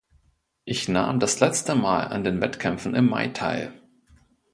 Ich nahm das letzte Mal an den Wettkämpfen im Mai teil.